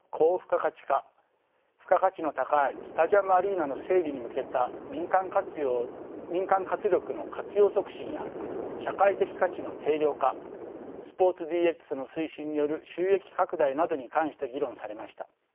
付加価値の高いスタジアム・アリーナの整備に向けた民間活力の活用促進や社会的価値の定量化スポーツＤＸの推進による収益拡大などに関して議論されました。